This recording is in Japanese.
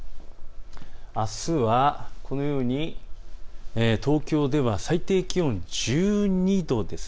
あすは東京では最低気温１２度です。